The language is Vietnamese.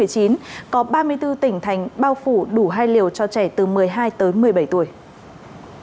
có ba mươi bốn tỉnh thành bao phủ đủ hai liều cho trẻ từ một mươi hai tới một mươi bảy tuổi